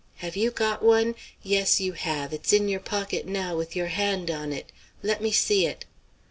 Have you got one? Yes, you have; it's in your pocket now with your hand on it. Let me see it."